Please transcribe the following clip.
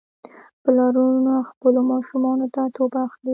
پلارونه خپلو ماشومانو ته توپ اخلي.